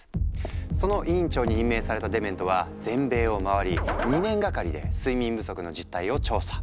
その委員長に任命されたデメントは全米を回り２年がかりで睡眠不足の実態を調査。